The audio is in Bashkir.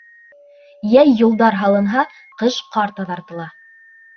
Йәй юлдар һалынһа, ҡыш ҡар таҙартыла.